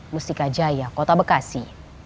mustika jaya kota bekasi